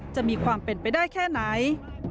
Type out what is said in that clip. จะมีความเป็นไปได้แค่ไหน